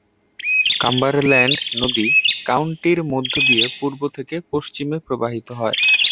Cumberland নদী কাউন্টির মধ্য দিয়ে পূর্ব থেকে পশ্চিমে প্রবাহিত হয়।